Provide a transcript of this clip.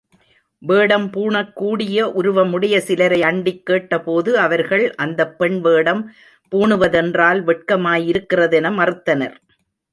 வேடம் பூணக்கூடிய உருவமுடைய சிலரை அண்டிக் கேட்டபோது, அவர்கள் அந்தப் பெண் வேடம் பூணுவதென்றால் வெட்கமாயிருக்கிறதென மறுத்தனர்.